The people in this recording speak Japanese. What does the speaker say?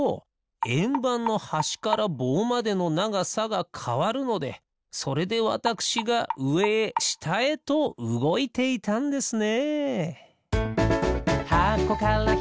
えんばんのはしからぼうまでのながさがかわるのでそれでわたくしがうえへしたへとうごいていたんですね。